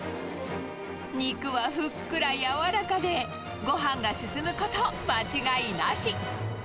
肉はふっくら柔らかで、ごはんが進むこと間違いなし。